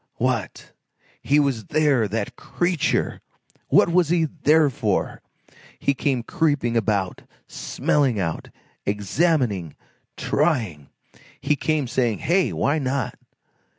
What! he was there, that creature! What was he there for? He came creeping about, smelling out, examining, trying! He came, saying: "Hey! Why not?"